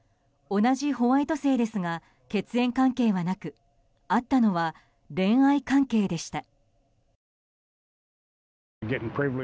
同じホワイト姓ですが血縁関係はなくあったのは恋愛関係でした。